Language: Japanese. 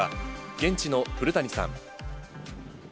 現地の古谷さん。